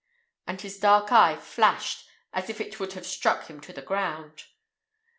And his dark eye flashed as if it would have struck him to the ground.